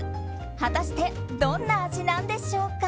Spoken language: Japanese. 果たしてどんな味なんでしょうか？